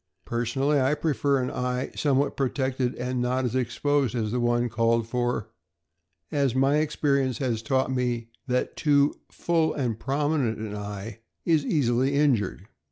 Personally, I prefer an eye somewhat protected and not as exposed as the one called for, as my experience has taught me that too "full and prominent" an eye is easily injured.